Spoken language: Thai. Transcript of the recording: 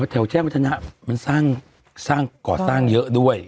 แถวแชทวัฒนามันสร้างสร้างก่อสร้างเยอะด้วย